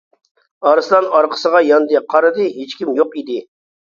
ئارسلان ئارقىسىغا يانغا قارىدى ھېچكىم يوق ئىدى.